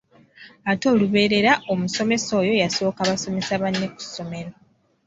Ate olubeerera omusomesa oyo yasooka basomesa banne ku ssomero.